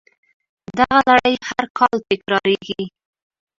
دغه لړۍ هر کال تکراریږي